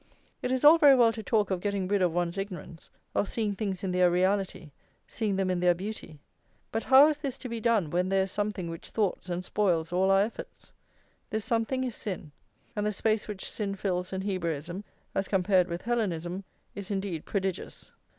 It is all very well to talk of getting rid of one's ignorance, of seeing things in their reality, seeing them in their beauty; but how is this to be done when there is something which thwarts and spoils all our efforts? This something is sin; and the space which sin fills in Hebraism, as compared with Hellenism, is indeed prodigious.